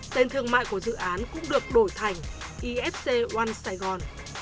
tên thương mại của dự án cũng được đổi thành ifc oan sài gòn